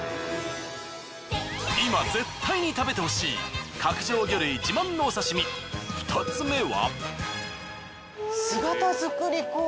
今絶対に食べてほしい角上魚類自慢のお刺身２つ目は。